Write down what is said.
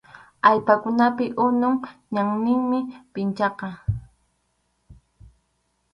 Allpakunapi unup ñanninmi pinchaqa.